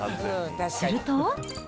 すると。